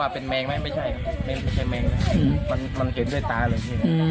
ถ้าเป็นแมงมั้ยไม่ใช่ไม่ใช่แมงนะมันเห็นด้วยตาเลย